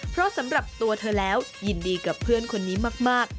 เพราะสำหรับตัวเธอแล้วยินดีกับเพื่อนคนนี้มาก